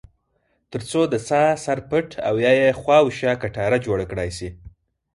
ترڅو د څاه سر پټ او یا یې خواوشا کټاره جوړه کړای شي.